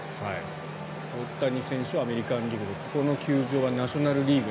大谷選手はアメリカン・リーグでこの球場はナショナル・リーグ